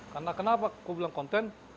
karena kenapa aku bilang konten